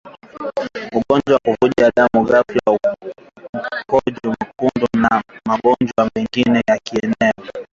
ugonjwa wa kuvuja damu ghafla mkojo mwekundu na magonjwa mengine ya kieneo